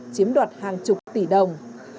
chiếm đoạt hàng chục tỷ đồng